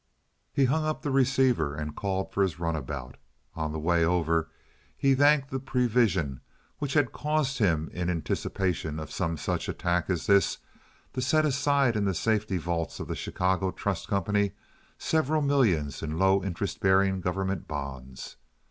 He hung up the receiver and called for his runabout. On the way over he thanked the prevision which had caused him, in anticipation of some such attack as this, to set aside in the safety vaults of the Chicago Trust Company several millions in low interest bearing government bonds.